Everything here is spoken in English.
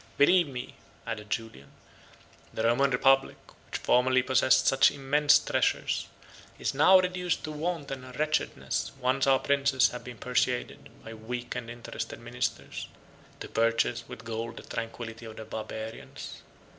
Believe me," added Julian, "the Roman republic, which formerly possessed such immense treasures, is now reduced to want and wretchedness once our princes have been persuaded, by weak and interested ministers, to purchase with gold the tranquillity of the Barbarians.